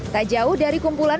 tak jauh dari kumpulan